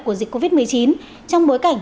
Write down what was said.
của dịch covid một mươi chín trong bối cảnh